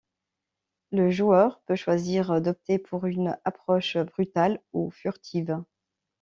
Le joueur peut choisir d'opter pour une approche brutale ou furtive.